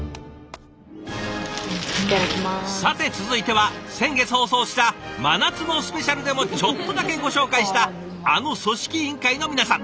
さて続いては先月放送した「真夏のスペシャル！」でもちょっとだけご紹介したあの組織委員会の皆さん。